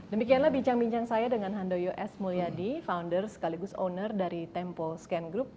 demikianlah bincang bincang saya dengan handoyo s mulyadi founder sekaligus owner dari tempo scan group